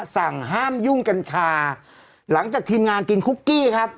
สั่งห้ามยุ่งกัญชาหลังจากทีมงานกินคุกกี้ครับ